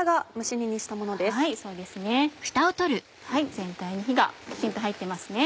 全体に火がきちんと入ってますね。